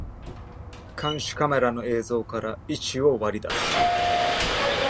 監視カメラの映像から位置を割り出す